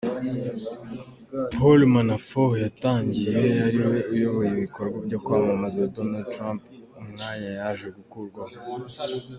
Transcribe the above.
Paul Manafort yatangiye ariwe uyoboye ibikorwa byo kwamamaza Donald Trump, umwanya yaje gukurwaho